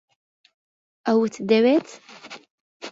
ئەوت دەوێت؟